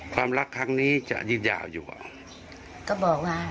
ครับ